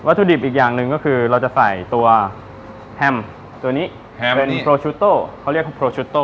ถุดิบอีกอย่างหนึ่งก็คือเราจะใส่ตัวแฮมตัวนี้เป็นโปรชุโต้เขาเรียกโรชุโต้